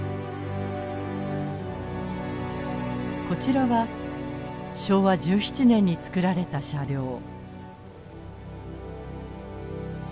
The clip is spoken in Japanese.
こちらは昭和１７年につくられた車両。